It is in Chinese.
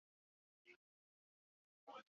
唐代朔方人。